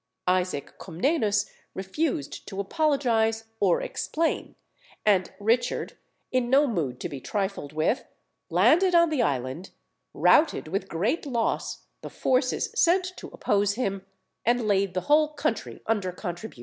Isaac Comnenus refused to apologise or explain, and Richard, in no mood to be trifled with, landed on the island, routed with great loss the forces sent to oppose him, and laid the whole country under contribution.